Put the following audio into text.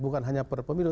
bukan hanya per pemilu